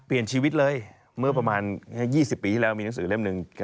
เปลี่ยนชีวิตเลยเมื่อประมาณแค่๒๐ปีที่แล้วมีหนังสือเล่มหนึ่ง